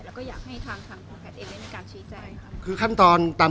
แล้วก็อยากให้ทางทางประแพทย์เองในการชี้ใจครับคือขั้นตอนตาม